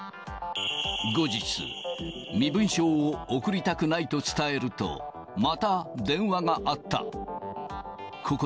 後日、身分証を送りたくないと伝えると、また電話があった。